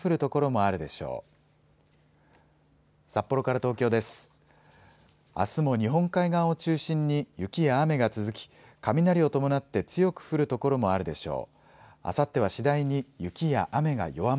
あすも日本海側を中心に雪や雨が続き、雷を伴って強く降る所もあるでしょう。